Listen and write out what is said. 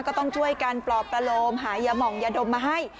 ก็ต้องช่วยกันปลอบประโลมหายาหม่องยาดมมาให้